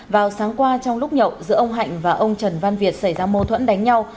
vào sáng qua trong lúc nhậu giữa ông hạnh và ông trần văn việt xảy ra mâu thuẫn đánh nhau